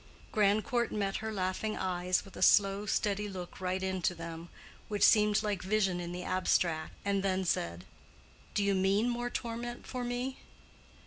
Grandcourt met her laughing eyes with a slow, steady look right into them, which seemed like vision in the abstract, and then said, "Do you mean more torment for me?"